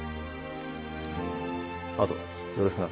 あとよろしくな。